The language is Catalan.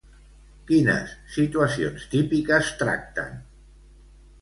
Quines situacions típiques tracten?